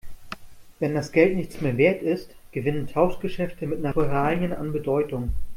Wenn das Geld nichts mehr Wert ist, gewinnen Tauschgeschäfte mit Naturalien an Bedeutung.